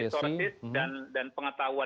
betul resources dan pengetahuan